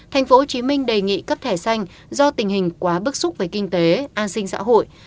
thành phố hồ chí minh đề nghị cấp thẻ xanh do tình hình quá bức xúc với kinh tế an sinh xã hội